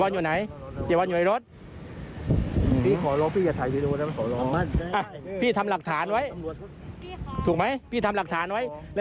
ถามเนี่ยถามเนี่ยถือมือไม่ได้เสพ